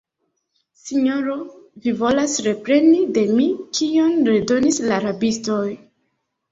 sinjoro, vi volas repreni de mi, kion redonis la rabistoj?